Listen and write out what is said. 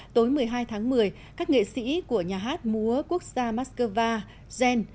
tối một mươi hai tháng một mươi các nghệ sĩ của nhà hát múa quốc gia moscow gen